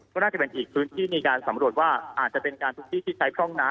ก็น่าจะเป็นอีกพื้นที่มีการสำรวจว่าอาจจะเป็นการทุกที่ที่ใช้พร่องน้ำ